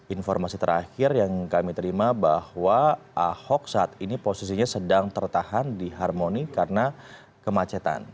informasi terakhir yang kami terima bahwa ahok saat ini posisinya sedang tertahan di harmoni karena kemacetan